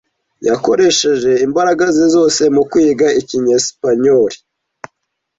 Yakoresheje imbaraga ze zose mu kwiga icyesipanyoli.